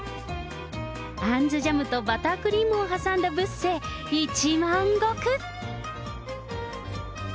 あんずジャムとバタークリームを挟んだブッセ、一万石。